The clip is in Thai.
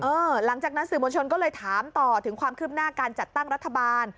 หลังจากนั้นสื่อมวลชนก็เลยถามต่อถึงความคืบหน้าการจัดตั้งรัฐบาล